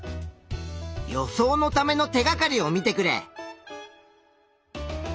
予想のための手がかりを見てくれ。